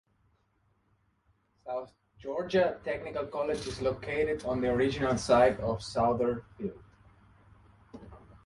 South Georgia Technical College is located on the original site of Souther Field.